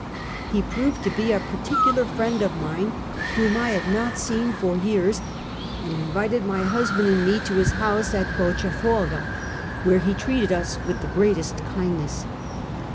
He proved to be a particu SKETCHES OF TRAVEL lar friend of mine, whom I had not seen for years, and invited my husband and me to his house at Bota Foga, where he treated us with the greatest kindness.